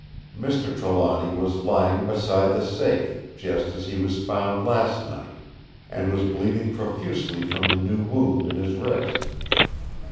Mr. Trelawny was lying beside the safe, just as he was found last night; and was bleeding profusely from the new wound in his wrist.